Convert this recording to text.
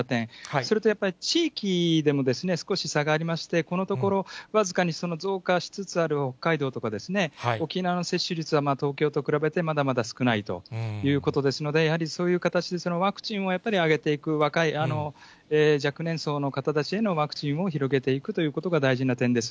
それとやっぱり、地域でも少し差がありまして、このところ、僅かに増加しつつある北海道とか、沖縄の接種率は東京と比べて、まだまだ少ないということですので、やはりそういう形で、ワクチンをやっぱり上げていく、若い若年層の方たちへのワクチンを広げていくということが大事な点です。